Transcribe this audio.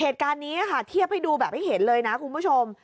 เหตุการณ์นี้ค่ะเทียบให้ดูแบบให้เห็นเลยนะคุณผู้ชม